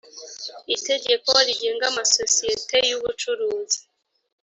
itegeko rigenga amasosiyete y’ubucuruzi